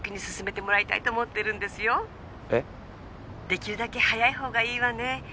できるだけ早い方がいいわね。